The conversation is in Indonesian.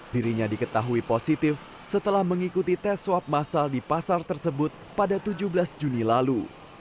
dirinya diketahui positif setelah mengikuti tes swab masal di pasar tersebut pada tujuh belas juni lalu